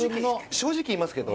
正直言いますけど。